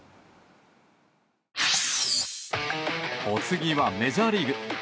お次はメジャーリーグ。